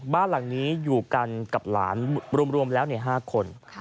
บ้านหลังนี้อยู่กันกับหลานรวมแล้ว๕คน